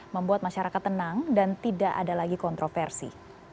membuat masyarakat tenang dan tidak ada lagi kontroversi